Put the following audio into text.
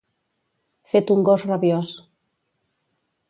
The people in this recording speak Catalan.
Fet un gos rabiós.